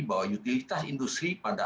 bahwa utilitas industri pada